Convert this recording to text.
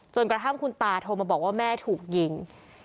กระทั่งคุณตาโทรมาบอกว่าแม่ถูกยิง